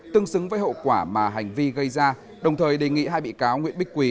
tương xứng với hậu quả mà hành vi gây ra đồng thời đề nghị hai bị cáo nguyễn bích quỳ